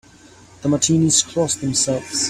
The Martinis cross themselves.